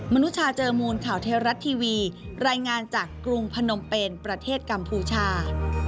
นุชาเจอมูลข่าวเทวรัฐทีวีรายงานจากกรุงพนมเป็นประเทศกัมพูชา